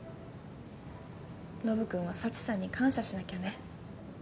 ノブ君は佐知さんに感謝しなきゃね。